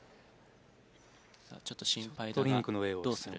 ちょっと心配だがどうする？